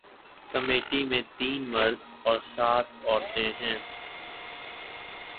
committee میں تین مرد اور سات عورتیں ہیں